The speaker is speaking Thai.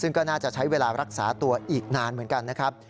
ซึ่งก็น่าจะใช้เวลารักษาตัวอีกนานเหมือนกันนะครับ